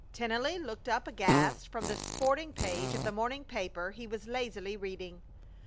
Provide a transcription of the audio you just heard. Tennelly looked up aghast from the sporting page of the morning paper he was lazily reading.